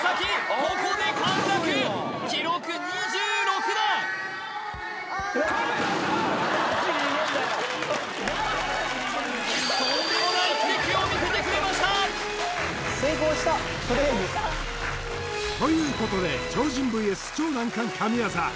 ここで陥落記録２６段とんでもない奇跡を見せてくれましたということですごかったね